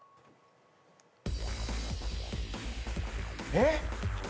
えっ？